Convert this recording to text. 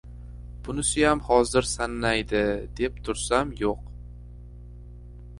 Bunisiyam hozir sannaydi, deb tursam, yo‘q.